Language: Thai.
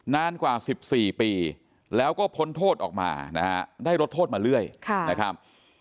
นานกว่า๑๔ปีแล้วก็พ้นโทษออกมานะฮะได้ลดโทษมาเรื่อยนะครับ